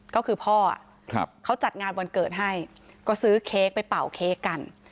ก็คือพ่อเขาจัดงานวันเกิดให้ก็ซื้อเค้กไปเป่าเค้กกัน